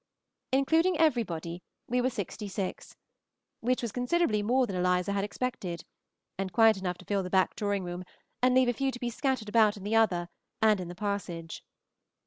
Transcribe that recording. Including everybody we were sixty six, which was considerably more than Eliza had expected, and quite enough to fill the back drawing room and leave a few to be scattered about in the other and in the passage.